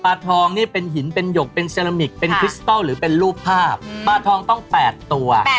ทองนี่เป็นหินเป็นหยกเป็นเซรามิกเป็นคริสตอลหรือเป็นรูปภาพปลาทองต้อง๘ตัว